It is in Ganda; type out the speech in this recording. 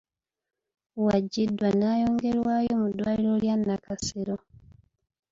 Waggyiddwa n’ayongerwayo mu ddwaliro lya Nakasero .